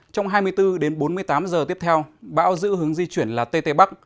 trong hai mươi bốn đến bốn mươi tám giờ tiếp theo bão giữ hướng di chuyển là tây tây bắc